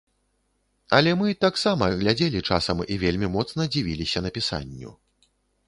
Але мы таксама глядзелі часам і вельмі моцна дзівіліся напісанню.